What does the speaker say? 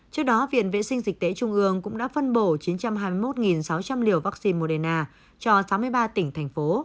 trước đó viện vệ sinh dịch tễ trung ương cũng đã phân bổ chín trăm hai mươi một sáu trăm linh liều vaccine moderna cho sáu mươi ba tỉnh thành phố